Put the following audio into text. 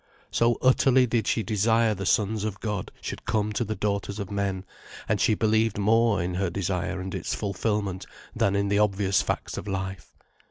So utterly did she desire the Sons of God should come to the daughters of men; and she believed more in her desire and its fulfilment than in the obvious facts of life.